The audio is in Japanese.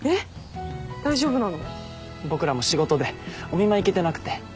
僕らも仕事でお見舞い行けてなくて。